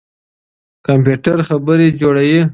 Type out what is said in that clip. کمپيوټر خبر جوړوي.